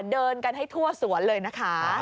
เดินกันให้ทั่วสวนเลยนะคะ